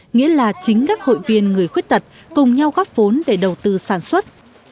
nghĩa là chính các hội viên người khuyết tật cùng nhau góp vốn để đầu tư sản xuất